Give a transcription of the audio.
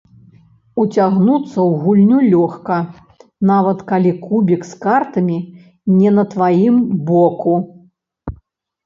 Уцягнуцца ў гульню лёгка, нават калі кубік з карткамі не на тваім боку.